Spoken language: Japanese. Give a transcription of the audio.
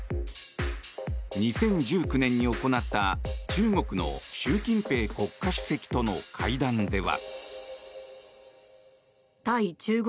２０１９年に行った中国の習近平国家主席との会談では。